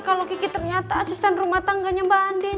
kalau kiki ternyata asisten rumah tangganya mbak andin